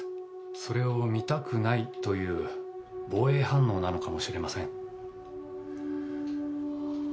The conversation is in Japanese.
それを見たくないという防衛反応なのかもしれません。